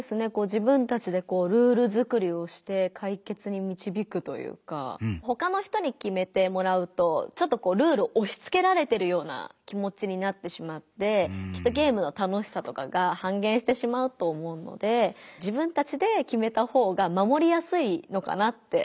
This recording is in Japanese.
自分たちでこうルール作りをして解決にみちびくというかほかの人に決めてもらうとちょっとこうルールをおしつけられてるような気もちになってしまってきっとゲームの楽しさとかが半減してしまうと思うので自分たちで決めた方がまもりやすいのかなって思いましたね。